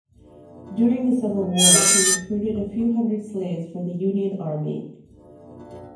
During the Civil War, he recruited a few hundred slaves for the Union Army.